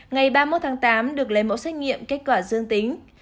ngày ba mươi một tháng tám được lấy mẫu xét nghiệm kết quả dương tính